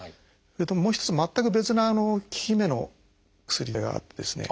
それともう一つ全く別な効き目の薬があってですね